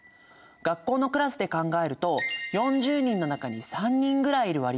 学校のクラスで考えると４０人の中に３人ぐらいいる割合なんだって。